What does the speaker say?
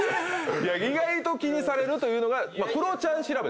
意外と気にされるというのがクロちゃん調べですね。